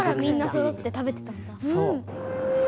そう。